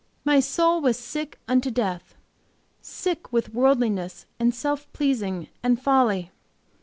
My soul was sick unto death, sick with worldliness, and self pleasing and folly.